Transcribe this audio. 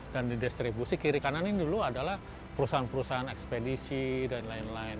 dan di distribusi kiri kanan ini dulu adalah perusahaan perusahaan ekspedisi dan lain lain